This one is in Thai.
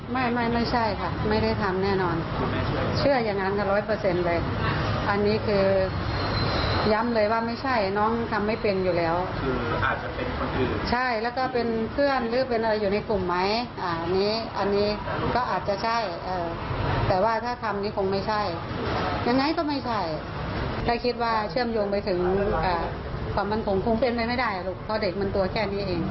ความมั่นคงคงเป็นไปไม่ได้ลูกเพราะเด็กมันตัวแค่นี้เอง